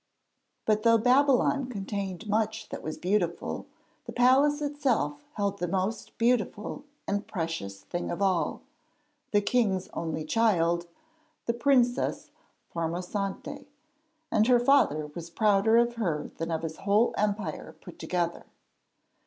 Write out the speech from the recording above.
But though Babylon contained much that was beautiful, the palace itself held the most beautiful and precious thing of all, the king's only child, the Princess Formosante; and her father was prouder of her than of his whole empire put together.